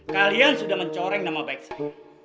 kalian sudah mencoreng nama baik saya